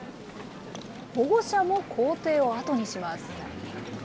保護者も校庭を後にします。